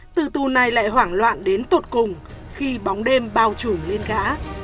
từ tù này lại hoảng loạn đến tột cùng khi bóng đêm bao trùm lên gã